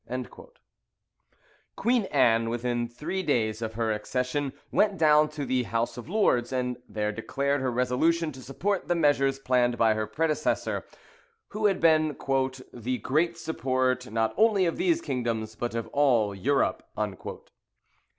[Bolingbroke, vol. ii. p. 445.] Queen Anne, within three days after her accession, went down to the House of Lords, and there declared her resolution to support the measures planned by her predecessor, who had been "the great support, not only of these kingdoms, but of all Europe."